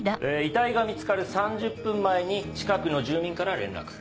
遺体が見つかる３０分前に近くの住民から連絡。